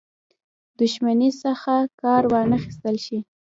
دښمنۍ څخه کار وانه خیستل شي.